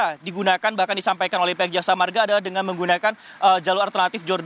yang digunakan bahkan disampaikan oleh pihak jasa marga adalah dengan menggunakan jalur alternatif jor dua